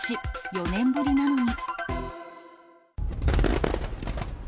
４年ぶりなのに。